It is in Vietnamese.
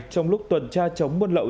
trong lúc tuần tra chống buôn lậu